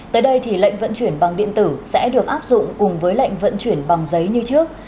tới đây thì lệnh vận chuyển bằng điện tử sẽ được áp dụng cùng với lệnh vận chuyển bằng giấy như trước